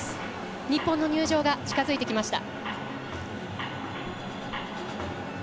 日本の入場が近づいてきました。